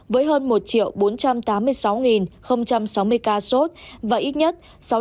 với hơn một bốn trăm tám mươi sáu sáu mươi ca sốt và ít nhất sáu trăm sáu mươi ba chín trăm năm mươi